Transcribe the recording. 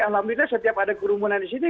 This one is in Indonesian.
alhamdulillah setiap ada kerumunan di sini